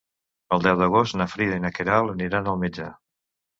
El deu d'agost na Frida i na Queralt aniran al metge.